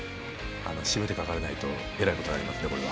締めてかからないとえらいことになりますね、これは。